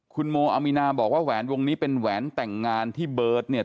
คุณโมอามีนาบอกว่าแหวนวงนี้เป็นแหวนแต่งงานที่เบิร์ตเนี่ย